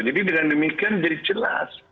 jadi dengan demikian jadi jelas